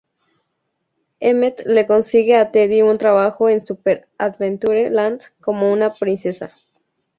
Emmett le consigue a Teddy un trabajo en Super Adventure Land como una princesa.